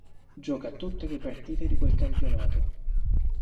Gioca tutte le partite di quel campionato.